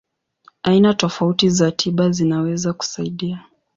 Aina tofauti za tiba zinaweza kusaidia.